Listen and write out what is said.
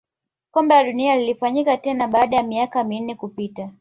kombe la dunia lilifanyika tena baada ya miaka minne kupita